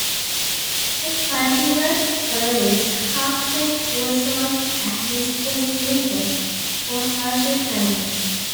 The cultivar tolerates half shade, poor soils and is well suited for harsher climates.